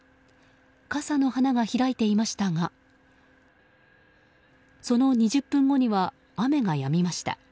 傘の花が開いていましたがその２０分後には雨がやみました。